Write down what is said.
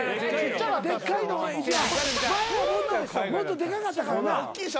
前はもっとでかかったからな。